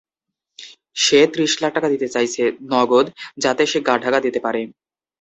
সে ত্রিশ লাখ টাকা চাইছে, নগদ, যাতে সে গা ঢাকা দিতে পারে।